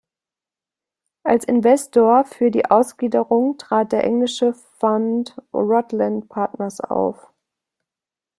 Als Investor für die Ausgliederung trat der Englische Fonds Rutland Partners auf.